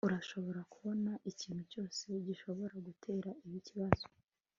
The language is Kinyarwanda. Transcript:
Urashobora kubona ikintu cyose gishobora gutera ikibazo